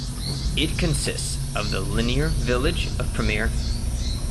It consists of the linear village of Premier.